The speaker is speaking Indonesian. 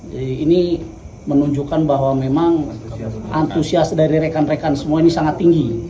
jadi ini menunjukkan bahwa memang antusias dari rekan rekan semua ini sangat tinggi